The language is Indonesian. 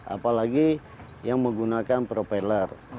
apalagi yang menggunakan propeller